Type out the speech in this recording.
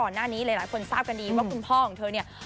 หน้านี้หลายคนทราบกันดีว่าคุณพ่อของเธอเนี่ย